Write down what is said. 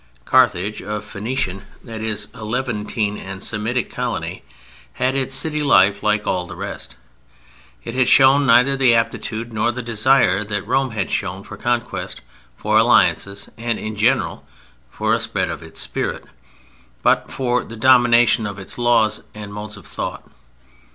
Carthage, a Phoenician, that is, a Levantine and Semitic, colony, had its city life like all the rest. It had shown neither the aptitude nor the desire that Rome had shown for conquest, for alliances, and in general for a spread of its spirit and for the domination of its laws and modes of thought.